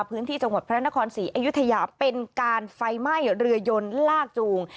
พื้นที่จังหวัดพระนครศรีอยุธยาเป็นการไฟไหม้เรือยนลากจูง